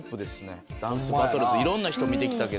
『ダンスバトルズ』いろんな人見てきたけど。